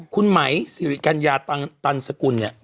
คุณไหมสิริกัญญาตันสกุลเนี่ย